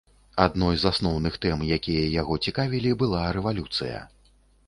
Адной з асноўных тэм, якія яго цікавілі, была рэвалюцыя.